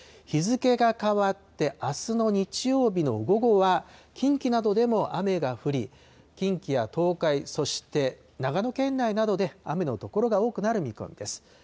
日付が変わってあすの日曜日の午後は、近畿などでも雨が降り、近畿や東海、そして長野県内などで、雨の所が多くなる見込みです。